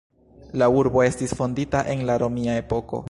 La urbo estis fondita en la romia epoko.